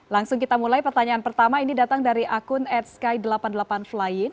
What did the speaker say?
langsung kita mulai pertanyaan pertama ini datang dari akun atsky delapan puluh delapan flying